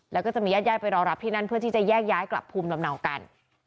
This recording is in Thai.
แล้วก็จะมีญาติไปรอรับที่นั่นเพื่อที่จะแยกย้ายกลับภูมิลำเนากัน